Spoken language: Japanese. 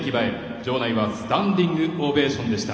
場内はスタンディングオベーションでした。